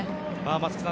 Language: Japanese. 松木さん